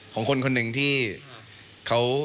ของคนคนหนึ่งที่เขา